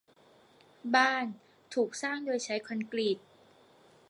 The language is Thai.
บ้านถูกสร้างโดยใช้คอนกรีต